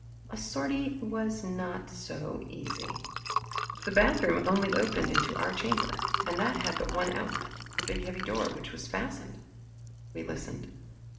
A sortie was not so easy. The bathroom only opened into our chamber, and that had but one outlet, a big heavy door, which was fastened. We listened.